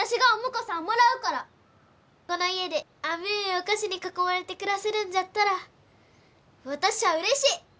この家で甘えお菓子に囲まれて暮らせるんじゃったら私ゃあうれしい！